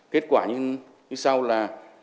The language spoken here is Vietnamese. kết quả như sau là